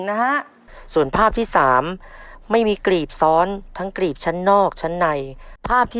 นะฮะส่วนภาพที่สามไม่มีกรีบซ้อนทั้งกรีบชั้นนอกชั้นในภาพที่